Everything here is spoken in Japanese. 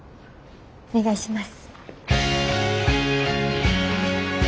お願いします。